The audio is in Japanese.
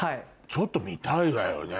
ちょっと見たいわよね